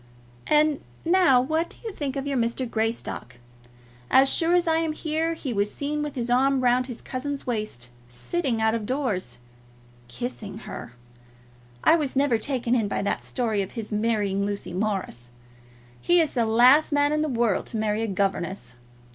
And now what do you think of your Mr. Greystock? As sure as I am here he was seen with his arm round his cousin's waist, sitting out of doors, kissing her! I was never taken in by that story of his marrying Lucy Morris. He is the last man in the world to marry a governess.